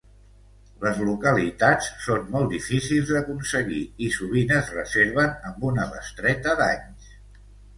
Les localitats són molt difícils d'aconseguir i sovint es reserven amb una bestreta d'anys.